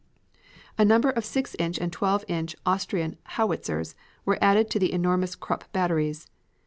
A large number of six inch and twelve inch Austrian howitzers were added to the enormous Krupp batteries.